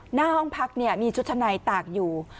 หน้าห้องพักเนี่ยมีชุดชะไหนตากอยู่